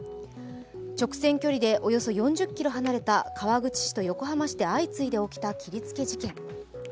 直線距離でおよそ４０ｋｍ離れた川口市と横浜市で相次いで起きた切りつけ事件。